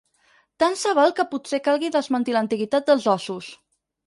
Tant se val que potser calgui desmentir l'antiguitat dels ossos.